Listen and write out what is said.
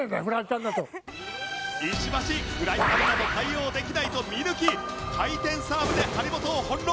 石橋フライパンだと対応できないと見抜き回転サーブで張本を翻弄！